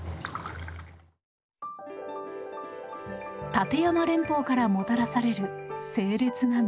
立山連峰からもたらされる清冽な水。